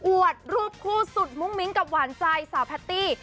วดรูปคู่สุดมุ้งมิ้งกับหวานใจสาวแพตตี้